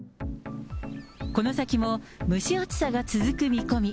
この先も、蒸し暑さが続く見込み。